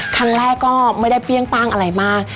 ครั้งแรกก็ไม่ได้เปรี้ยงป้างอะไรมาก